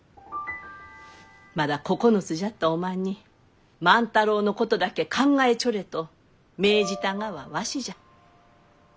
まだ９つじゃったおまんに万太郎のことだけ考えちょれと命じたがはわしじゃ。